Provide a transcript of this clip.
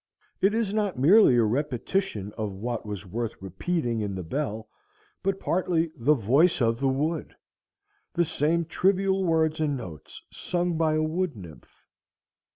It is not merely a repetition of what was worth repeating in the bell, but partly the voice of the wood; the same trivial words and notes sung by a wood nymph.